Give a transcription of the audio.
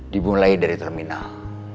dimulai dari terminal